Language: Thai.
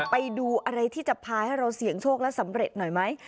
ไปดูอะไรที่จะพาให้เราเสี่ยงโชคแล้วสำเร็จหน่อยไหม